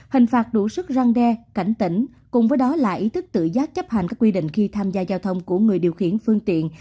hình phạt đủ sức răng đe cảnh tỉnh cùng với đó là ý thức tự giác chấp hành các quy định khi tham gia giao thông của người điều khiển phương tiện